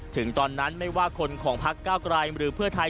ถึงตอนนั้นไม่ว่าคนของพักเก้าไกลหรือเพื่อไทย